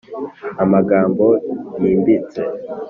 amagambo yimbitse